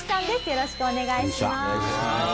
よろしくお願いします。